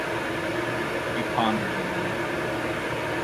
He pondered a minute.